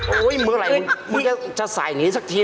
เมื่อไหร่มึงจะใส่อย่างนี้สักที